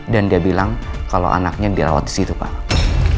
dan dia bilang kalau anaknya dirawat di situ pak